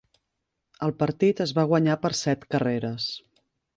El partit es va guanyar per set carreres.